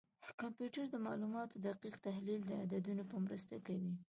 کمپیوټر د معلوماتو دقیق تحلیل د عددونو په مرسته کوي.